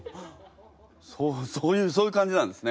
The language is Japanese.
そうそういうそういう感じなんですね。